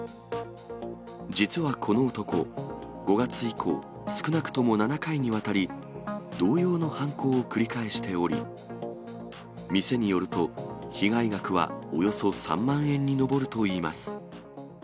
実はこの男、５月以降、少なくとも７回にわたり、同様の犯行を繰り返しており、店によると、被害額はおよそ３万円に上るといいます。